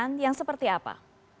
yang dibutuhkan seperti apa